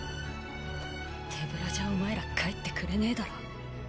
手ぶらじゃお前ら帰ってくれねぇだろ。